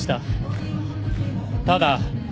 ただ。